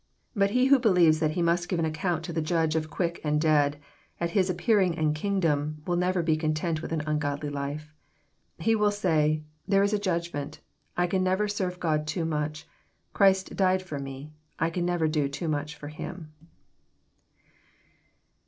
But he who believes that he must give account to the Judge of quick and dead, at His appearing and kingdom, will never be content with an ungodly life. He will say, " There is a judgment. I can never serve God too much. Christ died for me. I can never do too much for Him."